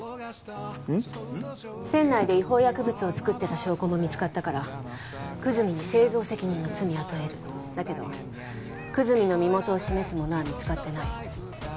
うんっ？船内で違法薬物を作ってた証拠も見つかったから久住に製造責任の罪は問えるだけど久住の身元を示すものは見つかってない